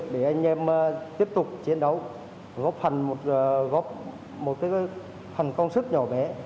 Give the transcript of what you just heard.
để anh em tiếp tục chiến đấu góp phần công sức nhỏ bé